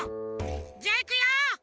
じゃいくよ！